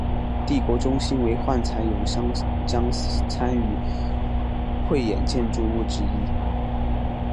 帝国中心为幻彩咏香江参与汇演建筑物之一。